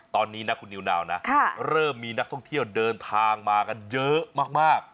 ตอนนี้นะคุณนิวนาวนะเริ่มมีนักท่องเที่ยวเดินทางมากันเยอะมาก